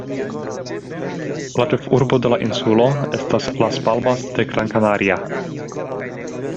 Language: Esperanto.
La ĉefurbo de la insulo estas Las Palmas de Gran Canaria.